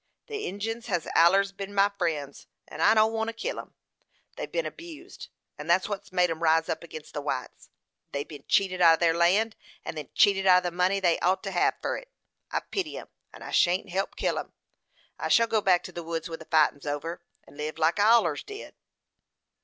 "The Injins hes allers ben my friends, and I don't want to help kill 'em. They've ben abused, and thet's what made 'em rise up agin the whites. They've ben cheated out of their land, and then cheated out of the money they ought to hev fur it. I pity 'em, and I shan't help kill 'em. I shall go back to the woods when the fightin' 's over, and live like I allers did."